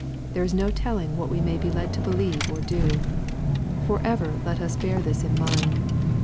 There is no telling what we may be led to believe or do. Forever let us bear this in mind.